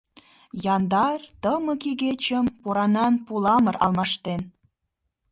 Яндар, тымык игечым поранан пуламыр алмаштен.